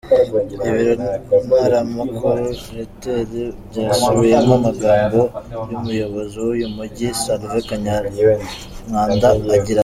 Ibiro ntaramakuru Reuters byasubiyemo amagambo y'umuyobozi w'uyu mujyi Sylvain Kanyamanda agira ati:.